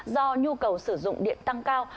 do nhu cầu sử dụng điện tăng cao